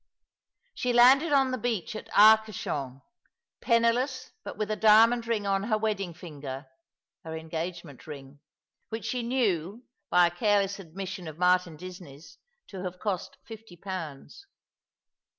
She landed on the beach at Arcachon — penniless, but with a diamond ring on her wedding finger — her engagement ring ■— which she knew, by a careless admission of Martin Disney's, to have cost fifty pounds.